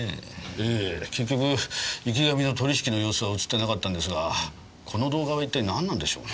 ええ結局池上の取引の様子は映ってなかったんですがこの動画は一体なんなんでしょうな？